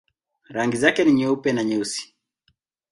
Rangi zake ni nyeupe na nyeusi.